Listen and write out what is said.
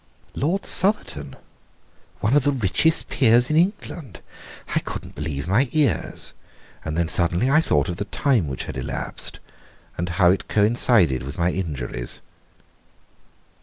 Lord Southerton! One of the richest peers in England! I could not believe my ears. And then suddenly I thought of the time which had elapsed, and how it coincided with my injuries.